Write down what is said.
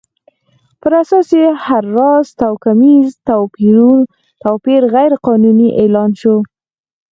پر اساس یې هر راز توکمیز توپیر غیر قانوني اعلان شو.